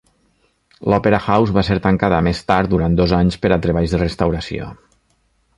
L'Òpera House va ser tancada més tard durant dos anys per a treballs de restauració.